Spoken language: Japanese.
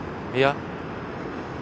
いや。